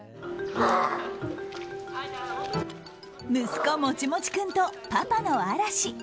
息子もちもち君とパパのあらし。